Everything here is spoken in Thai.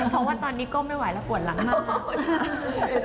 เพราะว่าตอนนี้ก้มไม่ไหวแล้วปวดหลังมาก